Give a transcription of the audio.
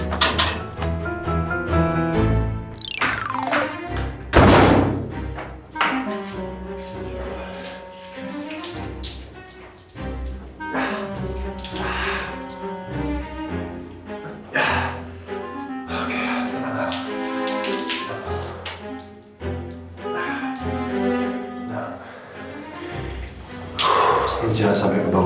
udah sampai ke bawah sampai ke timur itu lah